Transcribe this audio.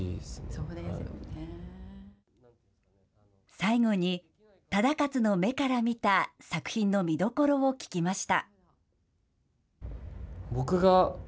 最後に、忠勝の目から見た作品の見どころを聞きました。